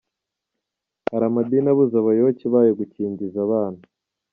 Hari amadini abuza abayoboke bayo gukingiza abana